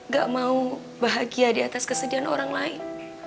gak mau bahagia di atas kesedihan orang lain